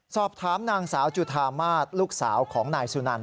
สอบถามนางสาวจุธามาศลูกสาวของนายสุนัน